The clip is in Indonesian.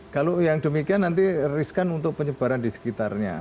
kalau yang demikian nanti riskan untuk penyebaran di sekitarnya